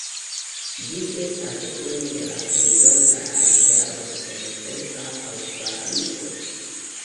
Ĝi estas unu de la plej longaj riveroj en Centra Aŭstralio.